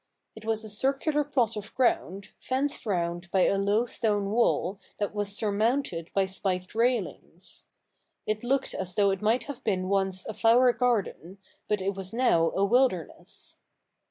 It was a circular plot of ground, fenced round by a low stone wall that was surmounted by spiked raihngs. It looked as though it might have been once a flower garden, but it was now a wilderness.